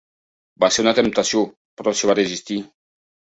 Va ser una temptació, però s'hi va resistir.